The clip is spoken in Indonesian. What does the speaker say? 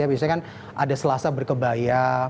biasanya kan ada selasa berkebaya